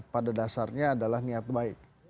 pada dasarnya adalah niat baik